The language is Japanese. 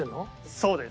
そうです。